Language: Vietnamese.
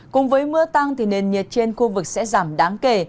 cùng với mưa tăng thì nền nhiệt trên khu vực sẽ giảm đáng kể